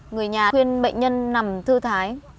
người nhà khuyên bệnh nhân nằm thư thái